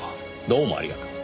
どうもありがとう。